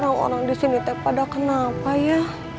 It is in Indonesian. orang orang di sini teh pada kenapa ya